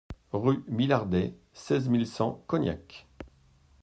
Rue Millardet, seize mille cent Cognac